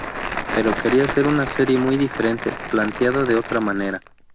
Pero quería hacer una serie muy diferente, planteada de otra manera...